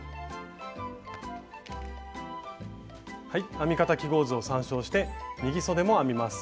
編み方記号図を参照して右そでも編みます。